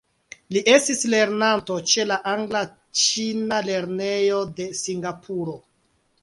Li estis lernanto ĉe la Angla-Ĉina Lernejo de Singapuro.